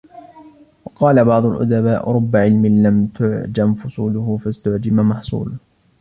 وَقَالَ بَعْضُ الْأُدَبَاءِ رُبَّ عِلْمٍ لَمْ تُعْجَمْ فُصُولُهُ فَاسْتُعْجِمَ مَحْصُولُهُ